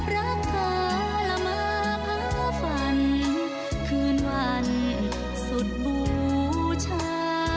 รักเธอละมาพักฝันคืนวันสุดบูชา